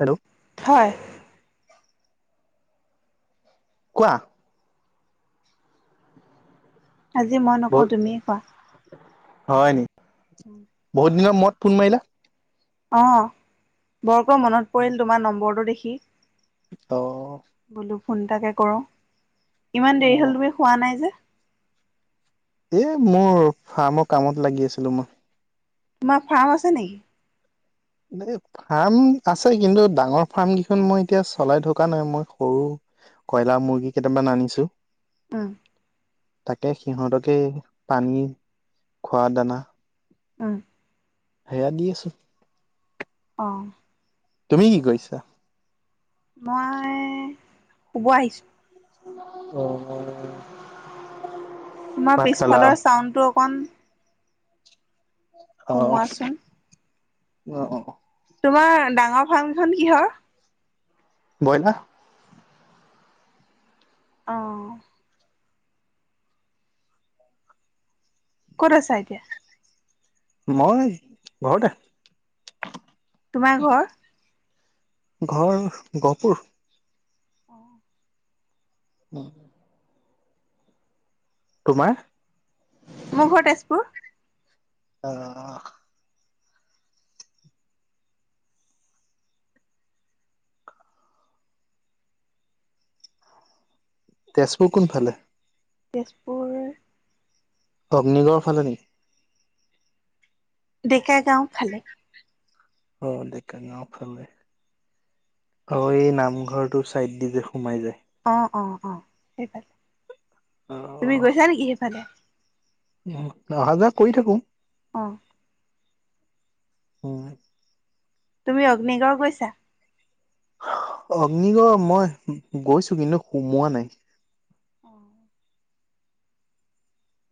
Hello হয়। কোৱা। আজি মই নকওঁ বহুত তুমিয়ে কোৱা। হয় নি? বহুত দিনৰ মোৰত ফোন মাৰিলা। অ বৰকৈ মনত পৰিল তোমাৰ নম্বৰটো দেখি। অ। ফোনটাকে কৰো, ইমান অ দেৰি হ'ল তুমি শুৱা নাই যে? এ মোৰ ফাৰ্মৰ কামত লাগি আছিলো মই। তোমাৰ ফাৰ্ম আছে নেকি? এ ফাৰ্ম আছে কিন্তু ডাঙৰ ফাৰ্ম কেইখন মই এতিয়া চলাই থকা নাই, মই সৰু কয়লা মুৰ্গী কেইটামান আনিছো। উম। তাকে সিহঁতকে পানী, খোৱা দানা উম। সেয়া দি আছো। অঁ। তুমি কি কৈছা? মই শুব আহিছো। [unintelligible] তোমাৰ ভাত খালা পিছফালৰ চাউডটো অকণ, কমোৱাচোন। অ অ অ, তোমাৰ ডাঙৰ ফাৰ্মখন কিহৰ। বইলা। অহ, ক'ত আছা এতিয়া। মই ঘৰতে। তোমাৰ ঘৰ। ঘৰ গহপুৰ। অ উম, তোমাৰ। মোৰ ঘৰ তেজপুৰ। অ অ, তেজপুৰ কোনফালে। তেজপুৰ, অগ্নিগড় ফালে নি। ডেকা গাঁও ফালে। অ ডেকা গাওঁ ফালে। অ এই নামঘৰটো চাইড দি যে সোমাই যায়, অঁ অঁ অঁ সেইফালে অ তুমি গৈছা নেকি সেইফালে? অহা যোৱা কৰি থাকো। অ হয় তুমি অগ্নিগড় গৈছা? অগ্নিগড় মই গৈছো কিন্তু সুমোৱা নাই। অ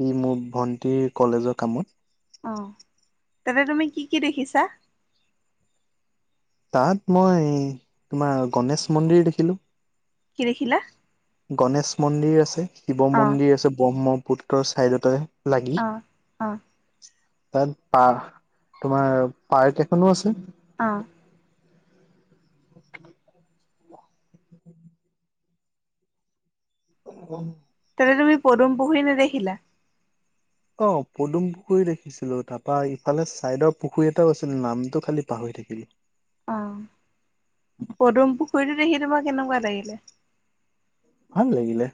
ই মোৰ ভন্টিৰ কলেজৰ কামত। অ, তাতে তুমি কি কি দেখিছা? তাত মই তোমাৰ গণেশ মন্দিৰ দেখিলোঁ। কি দেখিলা? গনেশ মন্দিৰ আছে, শিৱ অ', মন্দিৰ আছে ব্ৰহ্মপুত্ৰৰ ছাইদতে। অ' অ'। তাত পাৰ তোমাৰ পাৰ্ক এখনো আছে। অ'। [inaudible] অমম [unintelligible] তাতে তুমি পদুম পুখুৰী নেদেখিলা? অ' পদুম ফুল দেখিছিলোঁ। তাৰপা ইফালে চাইদৰ পুখুৰী এটাও আছিল। নামটো খালি পাহৰি [unintelligible] কি আহ পদুম পুখুৰীতো দেখি তোমাৰ কেনেকুৱা লাগিলে? ভাল লাগিলে,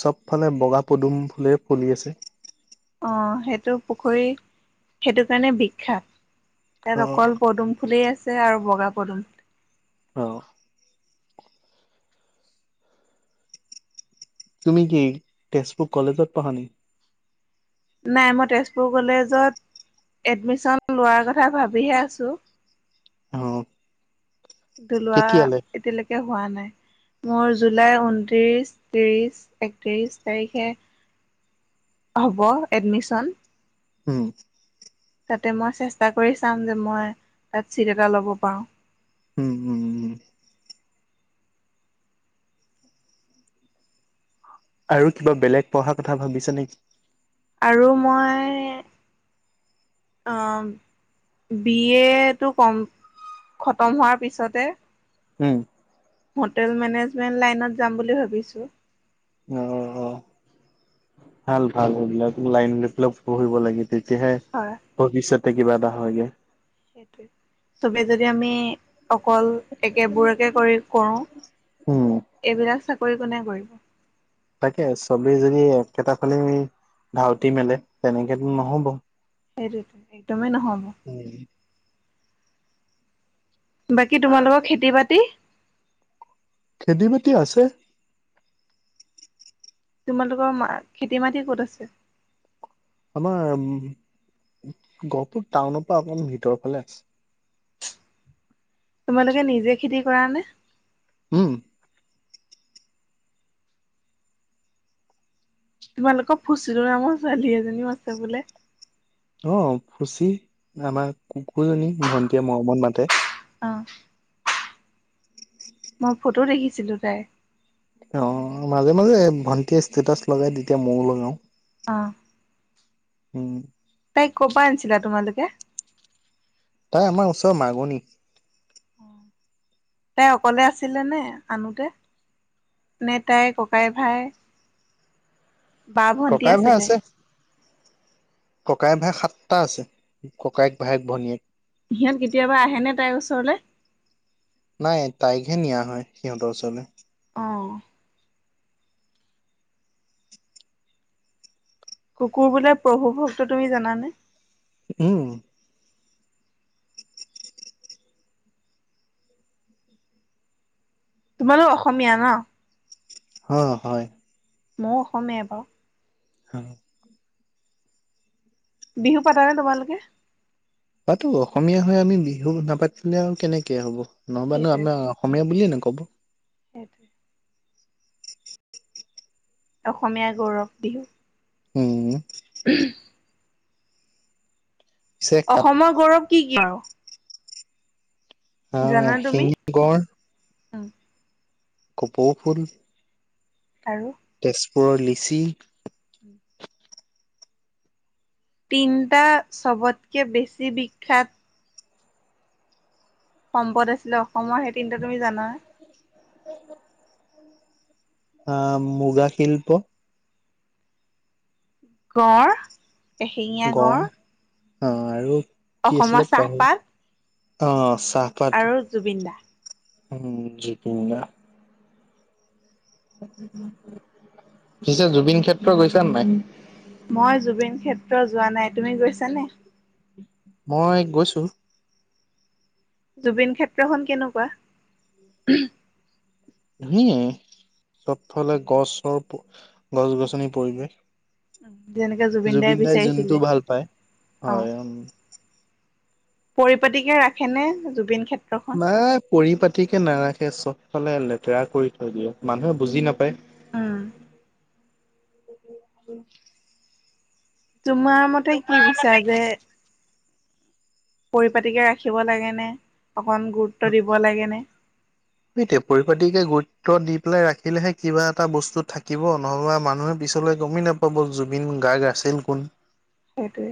চ'ব ফালে বগা পদুম ফুলে ফলি আছে। অ' সেইটো পুখুৰী সেইটো কাৰণে বিখ্যাত। অ ইয়াত অকল পদুম ফুলেই আছে আৰু বগা পদুম ফুল। অ' তুমি কি তেজপুৰ কলেজত পঢ়া নেকি? নাই, মই তেজপুৰ কলেজত এডমিশ্যন লোৱাৰ কথা ভাবিহে আছোঁ। অহ' লোৱা এতিয়ালৈকে হোৱা নাই। মোৰ জুলাই, ঊনত্ৰিশ, ত্ৰিশ, একত্ৰিশ তাৰিখে হ'ব এডমিশ্যন। উম। তাতে, মই চেষ্টা কৰি চাম যে মই তাত ছিট এটা ল'ব পাৰোঁ। [inaudible] উম উম উম আৰু কিবা বেলেগ পঢ়া কথা ভাবিছা নেকি? আৰু মই অহ' বি এ টো কম খতম হোৱাৰ পিছতে হ'ম। হোটেল মেনেজমেন্ট লাইনত যাম বুলি ভাবিছোঁ। অ অ ভাল, ভাল এইবিলাক লাইন লৈ পেলাই পঢ়িব লাগে তেতিয়াহে হয় ভৱিষ্যতে কিবা এটা হয়গে। সেইটোৱে, চবেই যদি আমি অকল একেবোৰকে কৰি-কৰোঁ উম এইবিলাক চাকৰি কোনে কৰিব? তাকে, চবেই যদি একেটা ফালেই ধাউতি মেলে তেনেকেতো নহ'ব। সেইটোৱেতো, একদমেই নহ'ব। উম বাকী তোমালোকৰ খেতি বাতি? খেতি বাতি আছে। তোমালোকৰ মা-খেতি মাটি ক'ত আছে? আমাৰ উম, গহপুৰ টাউনৰ পৰা অকমান ভিতৰৰ ফালে আছে। তোমালোকে নিজে খেতি কৰানে? উম। তোমালোকৰ ফুচো নামৰ ছোৱালী এজনীও আছে বোলে? অ', ফুচি আমাৰ কুকুৰজনী, ভন্টীয়ে মৰমত মাতে। অ'। মই ফটো দেখিছিলোঁ তাই। অ', মাজে, মাজে ভন্টিয়ে ষ্টেটাচ লগাই, তেতিয়া ময়ো লগাওঁ। অ'। উম। তাইক ক'ৰ পৰা আনিছিলা তোমালোকে? তাই আমাৰ ওচৰ মাগনি। তাই অকলে আছিলে নে আনোতে? নে তাইৰ ককাই ভাই। বা ভন্টি আছিলে? ককায় ভায়েক সাতটা আছে, ককায়েক ভায়েক ভনীয়েক। সিহঁত কেতিয়াবা আহেনে তাইৰ ওচৰলে। নাই তাইকহে নিয়া হয় সিহঁতৰ ওচৰলৈ। অঁ কুকুৰ বোলে প্ৰভু ভক্ত তুমি জানানে? উম তোমালোক অসমীয়া ন? অ হয় মও অসমীয়া বাও হয় বিহু পাতা নে তোমালোকে পাতো অসমীয়া হৈ আমি বিহু নাপাতিলে আও কেনেকে হ'ব নহবানো আমাৰ অসমীয়া বুলিয়ে নক'ব সেইটো অসমীয়া গৌৰৱ বিহু উম পিছে কাত অসমৰ গৌৰৱ কি কি আৰু অ এশিঙীয়া গড় অ কপৌ ফুল আৰু তেজপুৰৰ লিচি উম তিনিটা চবতকে বেছি বিখ্যাত সম্পদ আছিলে অসমৰ সেই তিনিটা তুমি জানা [unintelligible] অ মুগা শিল্প গঁড় এশেঙীয়া গঁড় অ আৰু কি আছিলে অসমৰ পাহৰি চাহপাত অ চাহপাত আৰু জুবিন দা। উম জুবিন দা। পিছে জুবিন ক্ষেত্ৰ গৈছা নাই? মই জুবিন ক্ষেত্ৰ যোৱা নাই। তুমি গৈছানে? মই গৈছো। জুবিন ক্ষেত্ৰখন কেনেকুৱা? ধুনীয়ে চবফালে গছ চৰ গছ-গছনিৰ পৰিৱেশ। জুবিন দাই যোনটো ভাল পায়। অ', হয় উম। পৰিপাটিকে ৰাখেনে জুবিন ক্ষেত্ৰ নাই পৰি পাতিকে নাৰাখ সে চবফালে লেতেৰা কৰি থৈ দিয়ে মানুহে বুজি নাপায়। উহ। [unintelligible] তোমাৰ মতে কি বিচাৰ যে পৰিপতিকে ৰাখিব লাগেনে, অকন গুৰুত্ব দিব লাগেনে? সেইটোৱে পৰিপতিকে গুৰুত্ব দি পেলাই ৰাখিলেহে কিবা এটা বস্তু থাকিব নহবা মানুহে বি পিছলে গমে নাপাব জুবিন গাৰ্গ আছিল কোন। সেটোৱে।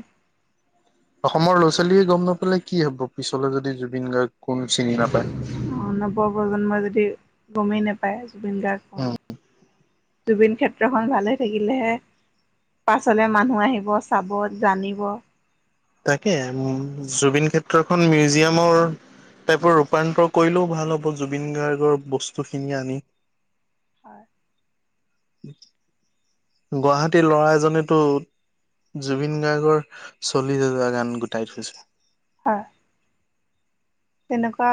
অসমৰ ল'ৰা-ছোৱালীয়ে গম নাপালে কি হব পিছলে যদি জুবিন গাৰ্গক অ নৱ প্ৰজন্মই যদ দি গমেই নেপায় জুবিন গাৰ্গ কোন উম জুবিন ক্ষেত্ৰখন ভালে থাকিলেহে পাছলে মানুহ আহিব চাব জানিব। তাকে জুবিন ক্ষেত্ৰখন মিউজিয়ামৰ। তাইপৰ ৰূপান্তৰ কৰিলেও ভাল হ'ব, জুবিন গাৰ্গৰ বস্তুখিনি আনি। হয়। ব [inaudible] গুৱাহাটীৰ ল'ৰা এজনেতো জুবিন গাৰ্গৰ, চলিছ হাজাৰ গান গোটাই থৈছো। হয়। তেনেকুৱা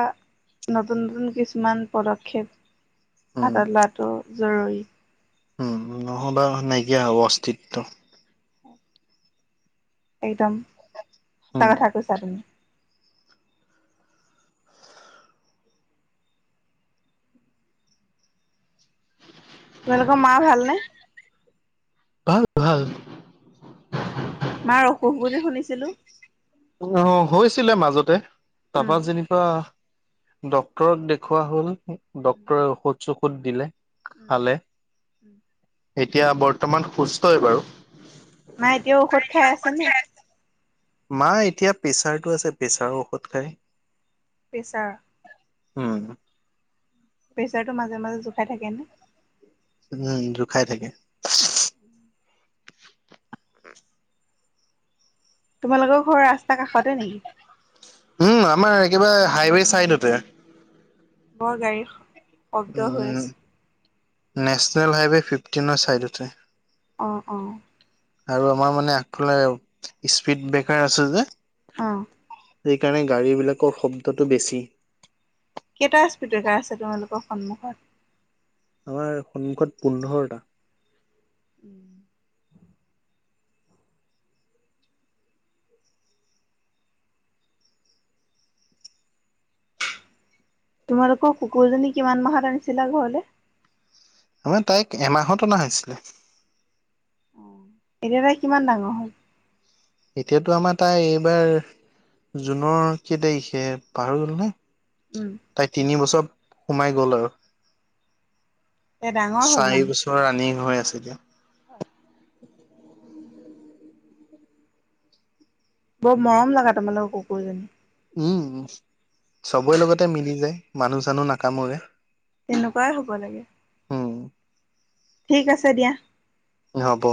নতুন নতুন কিছুমান পদক্ষেপ উম হাতত লোৱাটো। জৰুৰী। উম নহ'বা নাইকিয়া হ'ব অস্তিত্ব। একদম সঁচা উম কথা কৈছা, তুমি তোমালোকৰ মাৰ ভালনে? ভাল ভাল। মাৰ অসুখ বুলি শুনিছিলো। উ হৈছিলে মাজতে উম তাৰপা যেনিবা, ড্ক্তৰক দেখুওৱা হল। ড্ক্তৰে ঔষধ চৌষধ দিলে। উম খালে উম। এতিয়া বৰ্তমান, সুস্থই বাৰু মাই এতিয়াও ঔষধ খাই আছে নে? মাৰ এতিয়া প্ৰেচাৰটো আছে প্ৰেচাৰৰ ঔষধ খাই। প্ৰেছাৰ উম। প্ৰেচাৰটো মাজে মাজে জোখাই থাকে নে? উম জোকাই থাকে। তোমালোকৰ ঘৰ ৰাস্তা কাষতে নেকি? উম আমাৰ একেবাৰে হাইৱে চাইডতে। বৰ গাড়ী শব্দ হৈ আছে নেশচনেল হাইৱে ফিফটিনৰ ছাইডতে। অঁ অঁ আৰু আমাৰ মানে আগফালে স্পীড ব্ৰেকাৰ আছে যে।। উম সেইকাৰণে গাড়ীবিলাকৰ শব্দটো বেছি। কেইটা স্পীডকাৰ আছে তোমালোকৰ সন্মুখত? আমাৰ সন্মুখত পোন্ধৰটা। উম তোমালোকৰ কুকুৰজনী কিমান মাহত আনিছিলা ঘৰলৈ? আমাৰ তাইক এমাহত অনা হৈছিলে। আহ এতিয়া তাই কিমান ডাঙৰ হল? এতিয়াতো আমাৰ তাই এইবাৰ জুনৰ কি তাৰিখে পাহৰি গলোঁ নহয়। উম তাই তিনিবছৰ সোমাই গ'ল আৰু। এ ডাঙৰ চাৰি বছৰ ৰানিং হৈ আছে এতিয়া। হয় উম বৰ মৰম লগা তোমালোকৰ কুকুৰজনী। উম, চবৰে লগতে মিলি যায়, মানুহ-চানুহ নাকামোৰে। তেনেকুৱাই হ'ব লাগে। উম, ঠিক আছে দিয়া। হব।